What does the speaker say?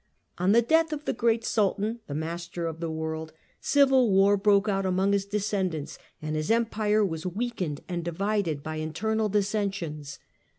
On the death of the great Sultan, the "Master of the World," civil war broke out among his descendants and his Empire was weakened and divided by internal dissensions.